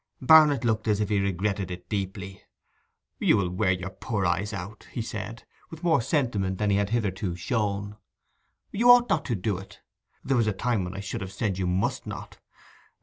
Barnet looked as if he regretted it deeply. 'You will wear your poor eyes out,' he said, with more sentiment than he had hitherto shown. 'You ought not to do it. There was a time when I should have said you must not.